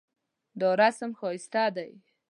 دا رسم ښایسته دی